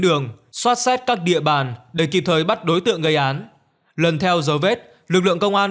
đường xoát xét các địa bàn để kịp thời bắt đối tượng gây án lần theo dấu vết lực lượng công an